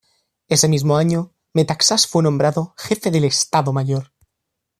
Ese mismo año, Metaxás fue nombrado jefe del Estado Mayor.